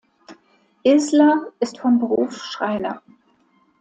Isler ist von Beruf Schreiner.